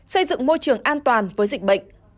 xây dựng môi trường an toàn với dịch bệnh